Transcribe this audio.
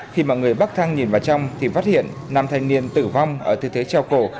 khi mọi người bắt thang nhìn vào trong thì phát hiện năm thành niên tử vong ở tư thế treo cổ